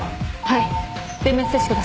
はい。